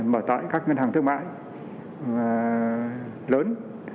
mở tại các ngân hàng thương mại lớn